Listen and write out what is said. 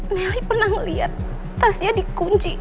meli pernah ngeliat tasya di kunciin